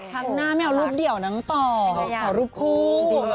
ครั้งหน้าไม่เอารูปเดี่ยวนางต่อขอรูปคู่